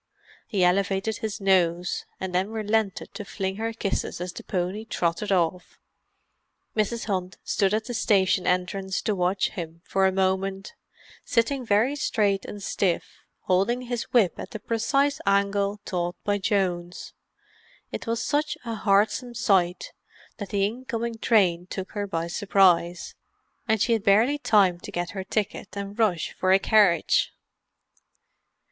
He elevated his nose—and then relented to fling her kisses as the pony trotted off. Mrs. Hunt stood at the station entrance to watch him for a moment—sitting very straight and stiff, holding his whip at the precise angle taught by Jones. It was such a heartsome sight that the incoming train took her by surprise, and she had barely time to get her ticket and rush for a carriage.